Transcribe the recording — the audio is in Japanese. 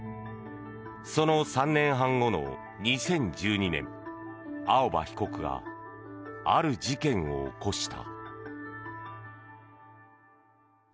その３年半後の２０１２年青葉被告がある事件を起こした。